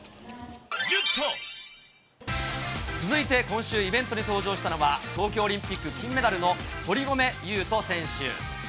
続いて今週、イベントに登場したのは東京オリンピック金メダルの堀米雄斗選手。